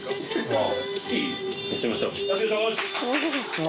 ああ。